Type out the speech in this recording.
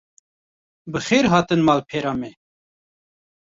Bi xêr hatin malpera me